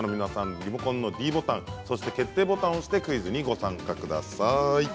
リモコンのｄボタンそして決定ボタンを押してクイズにご参加ください。